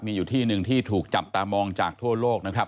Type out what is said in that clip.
มีอยู่ที่หนึ่งที่ถูกจับตามองจากทั่วโลกนะครับ